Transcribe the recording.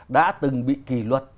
đã từng bị kỷ luật